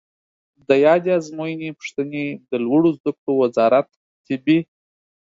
د یادې آزموینې پوښتنې د لوړو زده کړو وزارت طبي